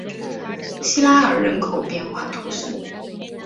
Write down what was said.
西拉尔人口变化图示